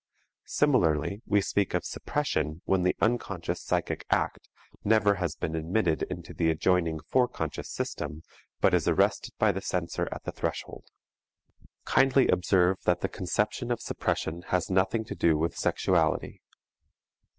Similarly we speak of suppression when the unconscious psychic act never has been admitted into the adjoining fore conscious system but is arrested by the censor at the threshold. Kindly observe that the conception of suppression has nothing to do with sexuality.